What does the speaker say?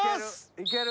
いける！